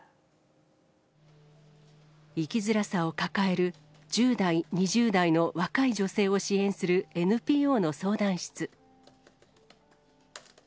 生きづらさを抱える１０代、２０代の若い女性を支援するＮＰＯの相談室。